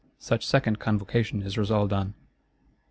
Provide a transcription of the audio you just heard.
Such second Convocation is resolved on.